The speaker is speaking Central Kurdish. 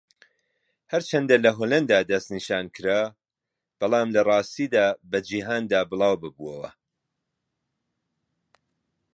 ھەرچەندە لە ھۆلەندا دەستنیشانکرا بەڵام لەڕاستیدا بە جیھاندا بڵاوببۆوە.